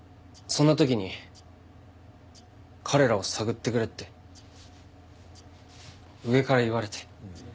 そんな時に彼らを探ってくれって上から言われて。